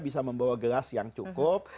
bisa membawa gelas yang cukup